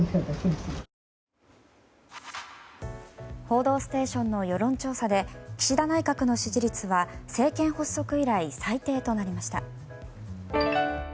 「報道ステーション」の世論調査で岸田内閣の支持率は政権発足以来最低となりました。